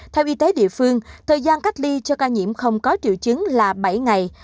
theo y tế địa phương thời gian cách ly cho ca nhiễm không có triệu chứng là bảy ngày